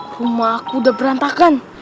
rumah aku udah berantakan